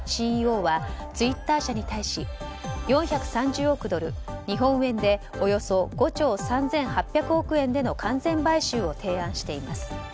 ＣＥＯはツイッター社に対し４３０億ドル、日本円でおよそ５兆３８００億円での完全買収を提案しています。